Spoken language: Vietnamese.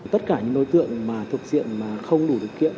tất cả những đối tượng mà thực diện mà không đủ thực kiệm